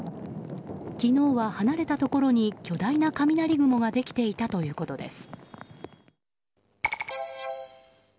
昨日は離れたところに巨大な雷雲ができていたということです。